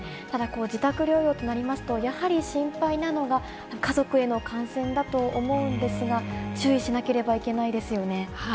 ただ、自宅療養となりますと、やはり心配なのが、家族への感染だと思うんですが、注意しなければいけないですよね。